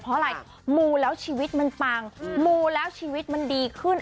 เพราะอะไรมูแล้วชีวิตมันปังมูแล้วชีวิตมันดีขึ้น